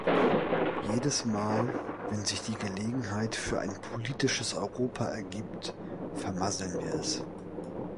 Jedes Mal, wenn sich die Gelegenheit für ein politisches Europa ergibt, vermasseln wir es!